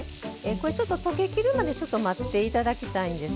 これちょっと溶けきるまで待って頂きたいんですね。